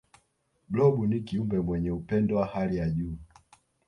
blob ni kiumbe mwenye upendo wa hali ya juu